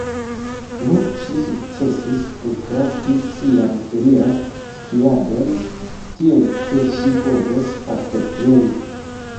Nu, ŝi sukcesis prokrasti sian ferian skiadon, tiel ke ŝi povos partopreni.